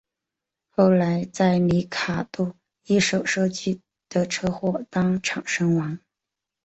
后来在里卡度一手设计的车祸中当场身亡。